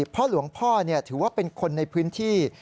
เพราะหลวงพ่อถือว่าเป็นคนในพื้นที่